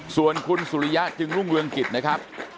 ส่วนคุณสุริยะจึงรุ่งเรืองกิจนะครับ